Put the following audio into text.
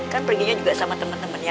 kan perginya juga sama temen temennya